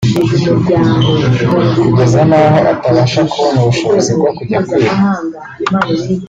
kugeza naho atabasha kubona ubushobozi bwo kujya kwiga